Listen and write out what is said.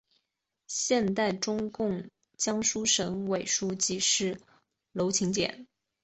现任中共江苏省委书记是娄勤俭。